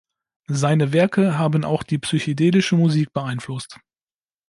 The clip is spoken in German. Seine Werke haben auch die psychedelische Musik beeinflusst.